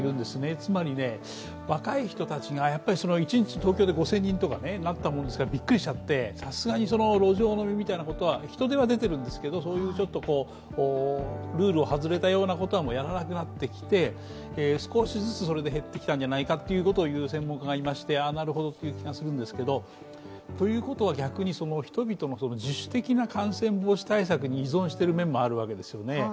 つまり若い人たちが、一日、東京で５０００人とかなったものですからびっくりしちゃって、さすがに路上飲みみたいなことは人出は出ているんですけれども、ルールを外れたようなことはもうやらなくなってきて、少しずつ減ってきたんじゃないかということを言う専門家がいまして、なるほどという気がするんですがということは逆に、人々の自主的な感染防止対策に依存している面もあるわけですよね。